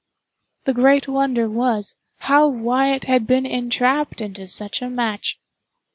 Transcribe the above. The great wonder was, how Wyatt had been entrapped into such a match.